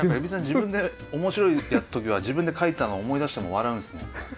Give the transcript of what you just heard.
自分で面白い時は自分で描いたのを思い出しても笑うんですね。